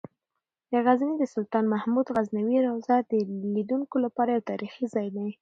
د غزني د سلطان محمود غزنوي روضه د لیدونکو لپاره یو تاریخي ځای دی.